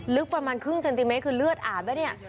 ลึกประมาณครึ่งเซนติเมตรคือเลือดอาบแล้วเนี่ย